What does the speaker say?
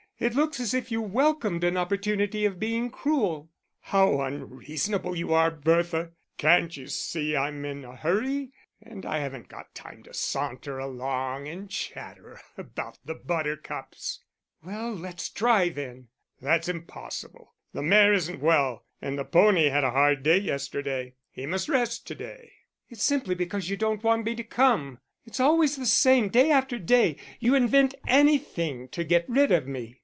It looks as if you welcomed an opportunity of being cruel." "How unreasonable you are, Bertha. Can't you see that I'm in a hurry, and I haven't got time to saunter along and chatter about the buttercups." "Well, let's drive in." "That's impossible. The mare isn't well, and the pony had a hard day yesterday; he must rest to day." "It's simply because you don't want me to come. It's always the same, day after day. You invent anything to get rid of me."